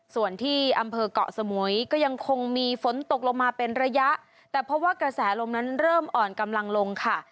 ส่วนที่อำเภอกเกาะสมุยก็ยังคงมีฝนตกลงมาเป็นระยะแต่เพราะว่ากระแสลมนั้นเริ่มอ่อนกำลังลงค่ะ